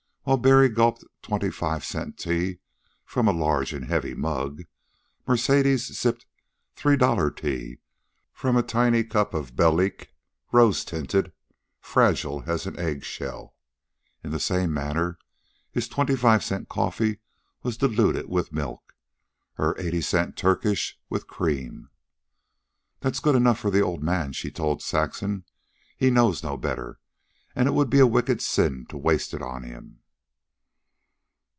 While Barry gulped twenty five cent tea from a large and heavy mug, Mercedes sipped three dollar tea from a tiny cup of Belleek, rose tinted, fragile as all egg shell. In the same manner, his twenty five cent coffee was diluted with milk, her eighty cent Turkish with cream. "'Tis good enough for the old man," she told Saxon. "He knows no better, and it would be a wicked sin to waste it on him."